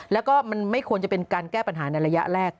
แล้วก็มันไม่ควรจะเป็นการแก้ปัญหาในระยะแรก